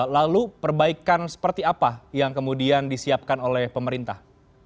lalu perbaikan seperti apa yang kemudian disiapkan oleh pemerintah